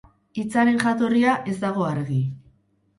Hitzaren jatorria ez dago argi.